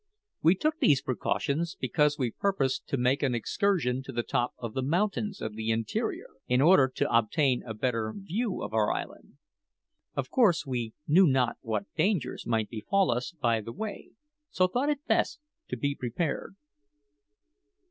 We took these precautions because we purposed to make an excursion to the top of the mountains of the interior, in order to obtain a better view of our island. Of course we knew not what dangers might befall us by the way, so thought it best to be prepared.